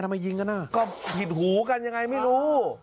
ทำไมยิงกันอ่ะก็ผิดหูกันยังไงไม่รู้